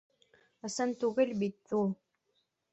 — Ысын түгел бит ул.